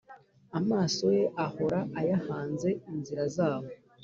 amaso ye ahora ayahanze inzira zabo